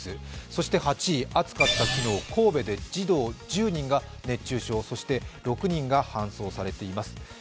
そして８位、暑かった昨日、神戸で昨日児童１０人が熱中症、そして６人が搬送されています。